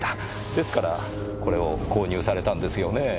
ですからこれを購入されたんですよねぇ？